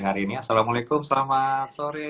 hari ini assalamualaikum selamat sore